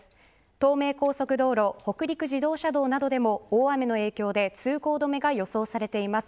東名高速道路、北陸自動車道などでも大雨の影響で通行止めが予想されています。